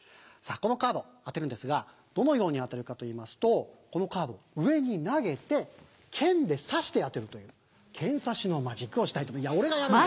このカード当てるんですがどのように当てるかといいますとこのカードを上に投げて剣で刺して当てるという剣刺しのマジックをしたいと。